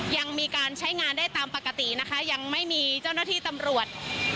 ยังมีการใช้งานได้ตามปกตินะคะยังไม่มีเจ้าหน้าที่ตำรวจ